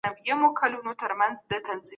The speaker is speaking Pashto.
د حقونو غوښتل د هر وګړي حق دی.